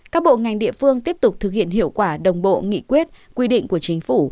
các bộ ngành địa phương tiếp tục thực hiện hiệu quả đồng bộ nghị quyết quy định của chính phủ